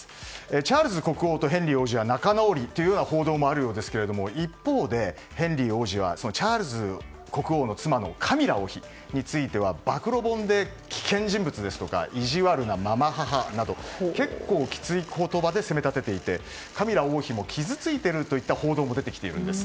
チャールズ国王とヘンリー王子が仲直りというような報道もあるようですが一方で、ヘンリー王子はチャールズ国王の妻のカミラ王妃については暴露本で、危険人物ですとか意地悪な継母など結構きつい言葉で責め立てていてカミラ王妃も傷ついているという報道も出ているんです。